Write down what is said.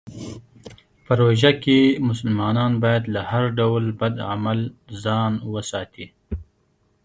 په روژه کې مسلمانان باید له هر ډول بد عمل ځان وساتي.